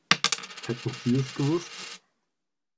Hätten Sie es gewusst?